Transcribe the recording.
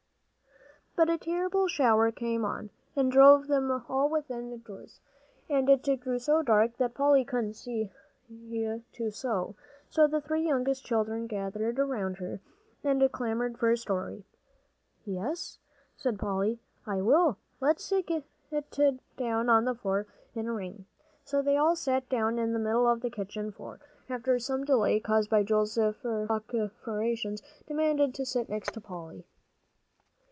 But a terrible shower came on, and drove them all within doors, and it grew so dark that Polly couldn't see to sew. So the three youngest children gathered around her and clamored for a story. "Yes," said Polly, "I will. Let's get down on the floor in a ring." So they all sat down in the middle of the kitchen floor, after some delay, caused by Joel's vociferous demand to sit next to Polly.